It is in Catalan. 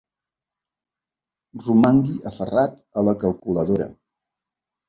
Romangui aferrat a la calculadora.